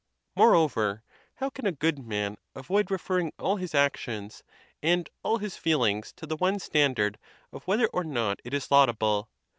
Moreover, how can a good man avoid referring all his actions and all his feel ings to the one standard of whether or not it is laudable